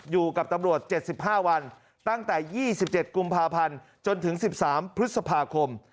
อยู่กับตำรวจ๗๕วันตั้งแต่๒๗กุมภาพันธ์จนถึง๑๓พฤษภาคม